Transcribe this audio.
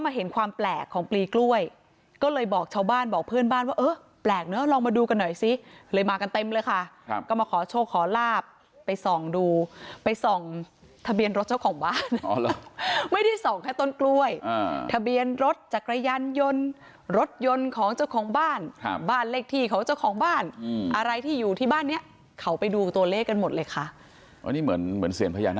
เห็นความแปลกของปลีกล้วยก็เลยบอกชาวบ้านบอกเพื่อนบ้านว่าเออแปลกเนอะลองมาดูกันหน่อยสิเลยมากันเต็มเลยค่ะครับก็มาขอโชคขอลาบไปส่องดูไปส่องทะเบียนรถเจ้าของบ้านไม่ได้ส่องแค่ต้นกล้วยทะเบียนรถจักรยานยนต์รถยนต์ของเจ้าของบ้านครับบ้านเลขที่ของเจ้าของบ้านอะไรที่อยู่ที่บ้านเนี้ยเขาไปดูตัวเลขกันหมดเลยค่ะ